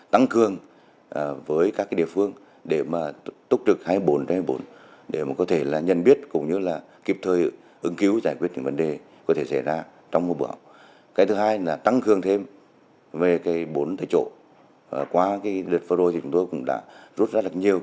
tổng cục đường bộ việt nam tiếp tục cập nhật và báo cáo thiệt hại do bão số hai gây ra